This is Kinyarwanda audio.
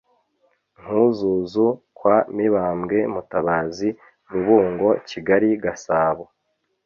Nkuzuzu kwa Mibambwe Mutabazi Rubungo Kigali Gasabo